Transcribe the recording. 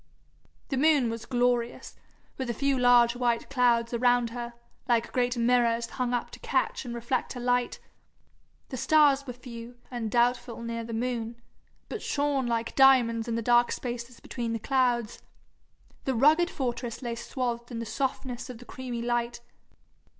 The moon was glorious, with a few large white clouds around her, like great mirrors hung up to catch and reflect her light. The stars were few, and doubtful near the moon, but shone like diamonds in the dark spaces between the clouds. The rugged fortress lay swathed in the softness of the creamy light.